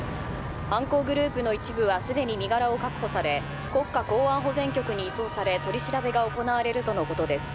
犯行グループの一部はすでに身柄を確保され国家公安保全局に移送され取り調べが行われるとのことです。